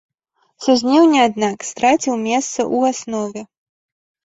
Са жніўня, аднак, страціў месца ў аснове.